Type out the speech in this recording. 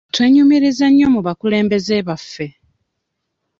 Twenyumiriza nnyo mu bakulembeze baffe.